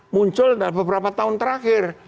muncul beberapa tahun terakhir